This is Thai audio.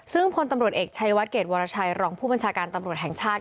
ซึ่งพลตำรวจเอกชัยวัดเกรดวรชัยรองผู้บัญชาการตำรวจแห่งชาติ